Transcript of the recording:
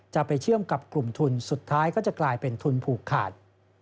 จะไปเชื่อมกับกลุ่มทุนสุดท้ายก็จะกลายเป็นทุนผูกขาด